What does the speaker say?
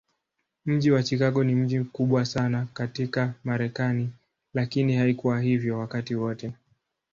Mji wa Chicago ni mji mkubwa sana katika Marekani, lakini haikuwa hivyo wakati wote.